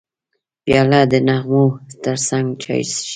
پیاله د نغمو ترڅنګ چای څښي.